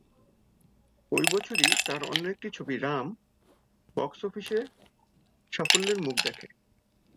ওই বছরই তার অন্য একটি ছবি "রাম" বক্স অফিসে সাফল্যের মুখ দেখে।